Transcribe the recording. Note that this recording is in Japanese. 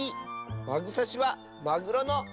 「まぐさし」は「まぐろのさしみ」！